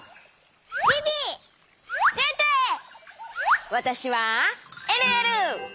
わたしはえるえる！